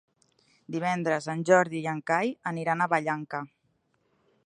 Divendres en Jordi i en Cai aniran a Vallanca.